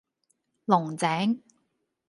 龍井